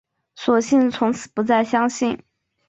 索性从此不再相信